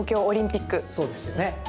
そうですよね。